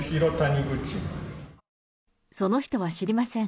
その人は知りません。